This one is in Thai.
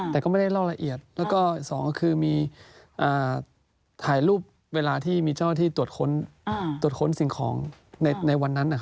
แต่ก็ไม่ได้เล่าละเอียดแล้วก็สองก็คือมีถ่ายรูปเวลาที่มีเจ้าหน้าที่ตรวจค้นสิ่งของในวันนั้น